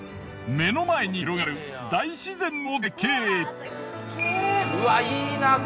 目の前に広がる大自然の絶景。